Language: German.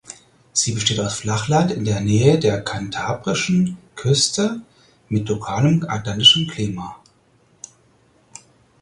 Sie besteht aus Flachland in der Nähe der kantabrischen Küste mit lokalem atlantischem Klima.